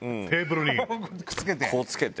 こうつけて。